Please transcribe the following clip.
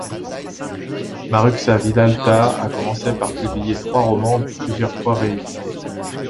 Maruxa Vilalta a commencé par publier trois romans, plusieurs fois réédités.